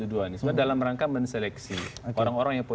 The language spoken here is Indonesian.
untuk ho sudah agak stampz